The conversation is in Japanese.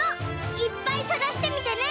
いっぱいさがしてみてね！